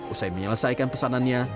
usai menyelesaikan pesanannya